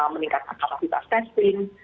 meningkatkan kapasitas testing